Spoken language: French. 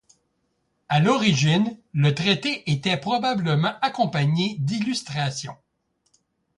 A l’origine, le traité était probablement accompagné d’illustrations.